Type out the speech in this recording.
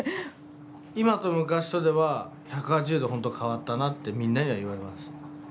「今と昔とでは１８０度ほんと変わったな」ってみんなには言われます